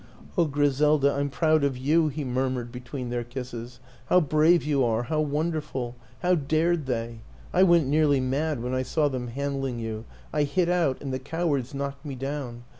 " Oh, Griselda, I'm proud of you," he mur mured between their kisses. " How brave you are how wonderful how dared they! ... I went nearly mad when I saw them handling you 36 WILLIAM AN ENGLISHMAN I hit out, and the cowards knocked me down.